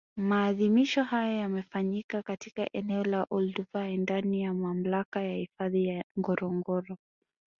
Maadhimisho hayo yamefanyika katika eneo la Olduvai ndani ya Mamlaka ya Hifadhi ya Ngorongoro